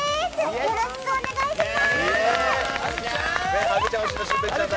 よろしくお願いします！